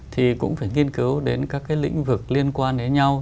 thì cũng phải nghiên cứu đến các cái lĩnh vực liên quan đến nhau